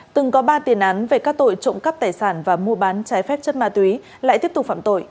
từng có ba tiền án về các tội trộm cắp tài sản và mua bán trái phép chất ma túy lại tiếp tục phạm tội